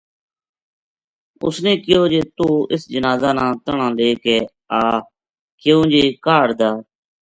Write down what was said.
اس نے کہیو جے توہ اس جنازہ نا تنہاں لے آ کیوں جے کاہڈ دا